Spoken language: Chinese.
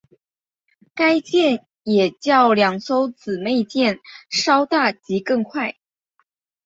该舰也较两艘姊妹舰稍大及更快。